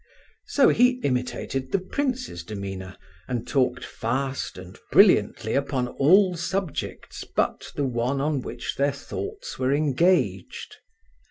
So he imitated the prince's demeanour, and talked fast and brilliantly upon all subjects but the one on which their thoughts were engaged.